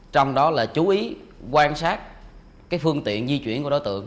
trong đó là chú ý quan sát phương tiện di chuyển của đối tượng